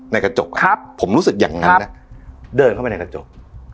ในกระจกครับผมรู้สึกอย่างงั้นครับเดินเข้าไปในกระจก